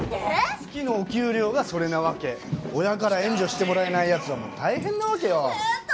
月のお給料がそれ親から援助してもらえないヤツはもう大変なわけよ